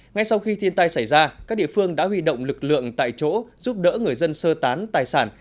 ngay sau khi thiên tai xảy ra các địa phương đã huy động lực lượng tại chỗ giúp đỡ người dân sơ tán tài sản